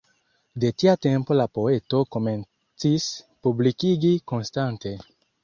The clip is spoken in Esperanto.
De tia tempo la poeto komencis publikigi konstante.